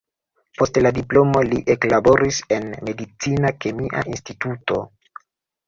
Post la diplomo li eklaboris en medicina-kemia instituto.